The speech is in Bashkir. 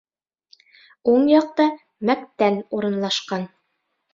Уң яҡта мәктән урынлашҡан